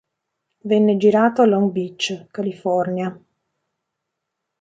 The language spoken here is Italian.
Venne girato a Long Beach, California.